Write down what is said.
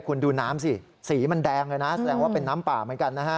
คุณดูน้ำสิสีมันแดงเลยนะแสดงว่าเป็นน้ำป่าเหมือนกันนะฮะ